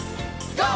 ＧＯ！